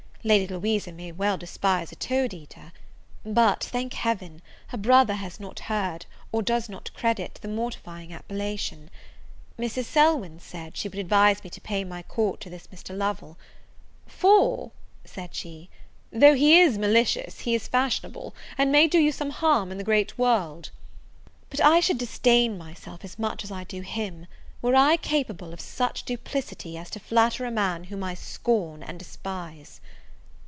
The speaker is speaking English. Lady Louisa may well despise a toad eater; but, thank Heaven, her brother has not heard, or does not credit, the mortifying appellation. Mrs. Selwyn said, she would advise me to pay my court to this Mr. Lovel; "for," said she, "though he is malicious, he is fashionable, and may do you some harm in the great world." But I should disdain myself as much as I do him, were I capable of such duplicity as to flatter a man whom I scorn and despise.